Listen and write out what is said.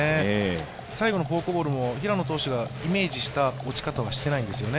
最後のフォークも平野投手がイメージした落ち方はしてないんですよね。